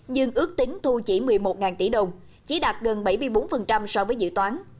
nhưng ước tính thu chỉ một mươi một tỷ đồng chỉ đạt gần bảy mươi bốn so với dự toán